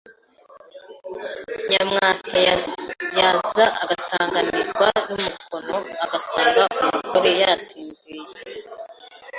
Nyamwasa yaza agasanganirwa n’umugono agasanga umugore yasinziriye